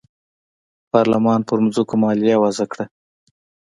پارلمان پر ځمکو مالیه وضعه کړه.